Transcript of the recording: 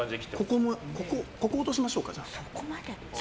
ここを落としましょうか。